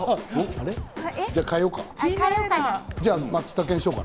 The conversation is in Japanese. じゃあ、変えようか。